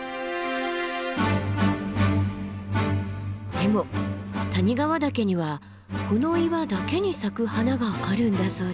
でも谷川岳にはこの岩だけに咲く花があるんだそうです。